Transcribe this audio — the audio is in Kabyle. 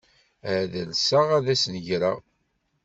Ad alseɣ ad asen-ɣreɣ.